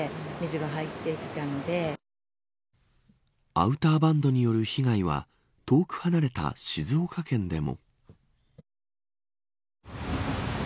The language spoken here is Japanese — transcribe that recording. アウターバンドによる被害は遠く離れた静岡県でも。